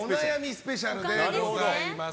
スペシャルでございます。